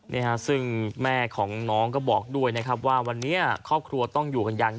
นี่ฮะซึ่งแม่ของน้องก็บอกด้วยนะครับว่าวันนี้ครอบครัวต้องอยู่กันอย่าง